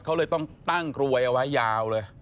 เขาเลยต้องตั้งกรวยเอาไว้ยาวเลย